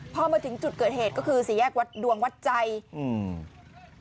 พอมาถึงจุดเกิดเหตุก็คือสี่แยกวัดดวงวัดใจอืม